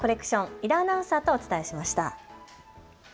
井田アナウンサーとお伝えしました。